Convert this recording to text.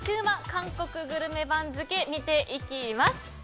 韓国グルメ番付見ていきます。